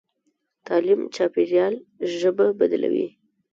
تعلیم چاپېریال ژبه بدلوي.